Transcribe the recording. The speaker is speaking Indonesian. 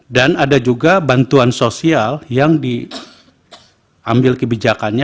dan ada juga bantuan sosial yang diambil kebijakannya